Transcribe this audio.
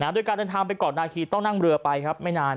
ด้วยการเดินทางไปกราบไหว้นาคีต้องนั่งเรือไปไม่นาน